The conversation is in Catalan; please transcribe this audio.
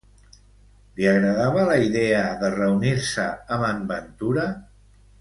Li agradava la idea de reunir-se amb en Ventura?